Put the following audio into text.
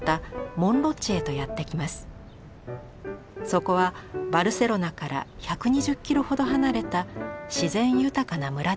そこはバルセロナから１２０キロほど離れた自然豊かな村でした。